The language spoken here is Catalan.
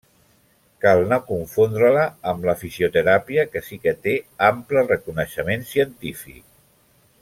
Cal no confondre-la amb la fisioteràpia que sí que té ample reconeixement científic.